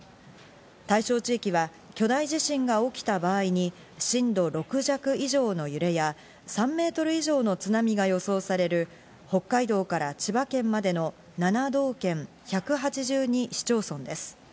対象地域は巨大地震が起きた場合に、震度６弱以上の揺れや、３メートル以上の津波が予想される、北海道から千葉県までの７道県１８２市町村です。